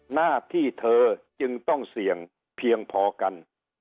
หน้าที่เธอจึงต้องเสี่ยงเพียงพอกัน